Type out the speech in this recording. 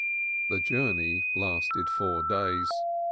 The journey lasted four days.